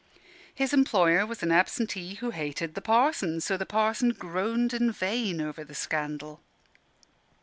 His employer was an absentee who hated the Parson, so the Parson groaned in vain over the scandal.